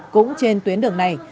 cũng trên tuyến đường này